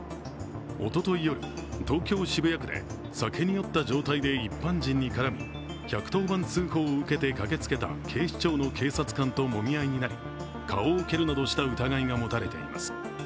おととい夜、東京・渋谷区で酒に酔った状態で一般人に絡み１１０番通報を受けて駆けつけた警視庁の警察官ともみ合いなり顔を蹴るなどした疑いが持たれています。